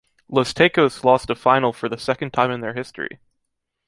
Los Tecos lost a final for the second time in their history.